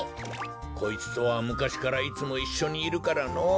こいつとはむかしからいつもいっしょにいるからのぉ。